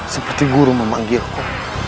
seperti guru memanggilku